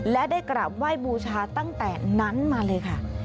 และได้กราบไหว้บูชาตั้งแต่นั้นมาเลยค่ะ